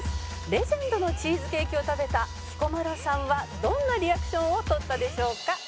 「レジェンドのチーズケーキを食べた彦摩呂さんはどんなリアクションをとったでしょうか？」